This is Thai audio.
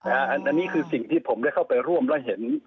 อันนี้คือสิ่งที่ผมได้เข้าไปร่วมและเห็น